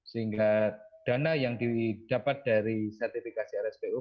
sehingga dana yang didapat dari sertifikasi rspu